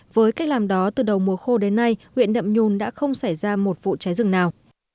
với cách làm đó từ đầu mùa khô đến nay huyện nậm nhun đã không xảy ra một vụ cháy rừng nào